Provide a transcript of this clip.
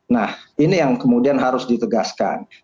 nah ini yang kemudian harus ditegaskan